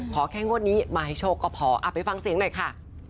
แค่งวดนี้มาให้โชคก็พอไปฟังเสียงหน่อยค่ะ